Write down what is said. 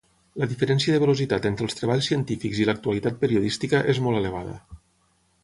La diferència de velocitat entre els treballs científics i l'actualitat periodística és molt elevada.